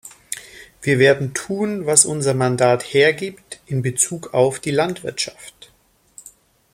Wir werden tun, was unser Mandat hergibt in Bezug auf die Landwirtschaft.